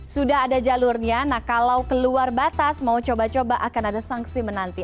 sudah ada jalurnya nah kalau keluar batas mau coba coba akan ada sanksi menanti